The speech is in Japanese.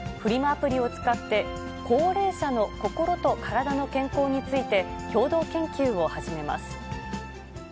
アプリを使って、高齢者の心と体の健康について、共同研究を始めます。